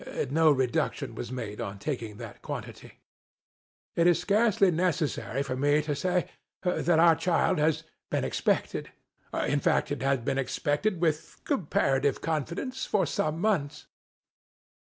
No reduction was made on taking that quantity. It is scarcely necessary for me to say, that our child had been expected. In fact, it had been expected, with comparative confidence, for some months.